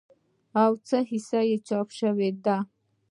او څه حصه چاپ شوې ده